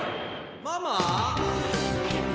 ママ？